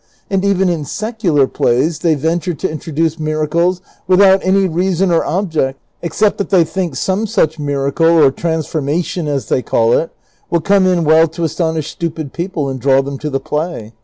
And even in secular plays they venture to introduce ndracles without any reason or object except that they think some such miracle, or transformation as they call it, will come in well to astonish stupid people and draw them to the play.